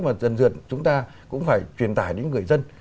mà dần dần chúng ta cũng phải truyền tải đến người dân